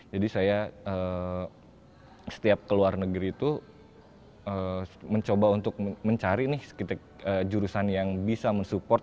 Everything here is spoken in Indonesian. jadi saya setiap ke luar negeri itu mencoba untuk mencari nih jurusan yang bisa mensupport